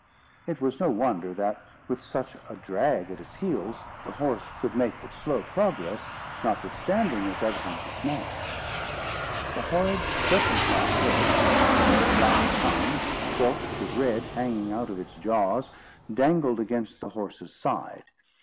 It was no wonder that, with such a drag at his heels, the horse could make but slow progress, notwithstanding his evident dismay. The horrid, serpent like head, with its black tongue, forked with red, hanging out of its jaws, dangled against the horse's side.